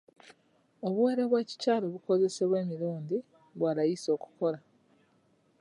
Obuwero bw'ekikyala obukozesebwa emirundi bwa layisi okukola.